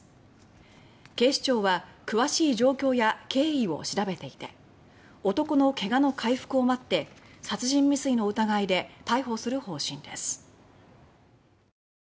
警視庁は詳しい状況や経緯を調べていて男の怪我の回復を待って殺人未遂の疑いで逮捕する方針です。